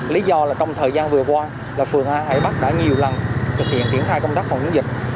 lý do là trong thời gian vừa qua phường hải bắc đã nhiều lần thực hiện kiểm tra công tác phòng dịch